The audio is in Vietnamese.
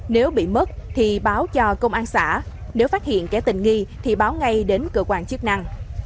nếu bị mất thì báo cho công an xã nếu phát hiện kẻ tình nghi thì báo ngay đến cơ quan chức năng